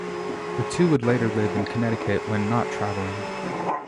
The two would later live in Connecticut when not travelling.